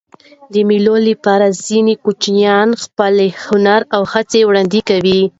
د مېلو له پاره ځيني کوچنيان خپله هنري هڅه وړاندي کوي.